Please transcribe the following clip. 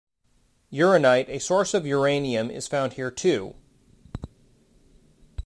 Uraninite, a source of uranium, is found here, too.